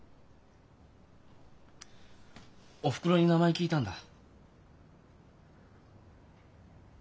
おふくろに名前聞いたんだ。